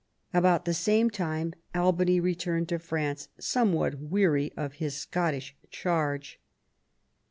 About the same time Albany returned to France, somewhat weary of his Scottish charge.